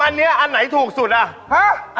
อันนี้อันไหนถูกสุดอ่ะฮะ